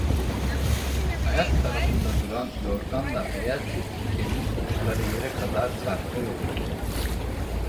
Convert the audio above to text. Ayak tarafında duran yorganla beyaz bir pikenin uçları yere kadar sarkıyordu.